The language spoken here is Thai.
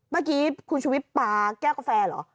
เมื่อกี้คุณชุวิตปลาแก้วกาแฟเหรอ